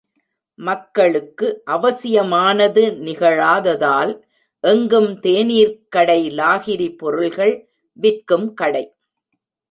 மக்களுக்கு அவசியமானது நிகழாததால் எங்கும் தேநீர்க்கடை லாகிரி பொருள்கள் விற்கும் கடை.